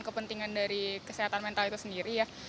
kepentingan dari kesehatan mental itu sendiri ya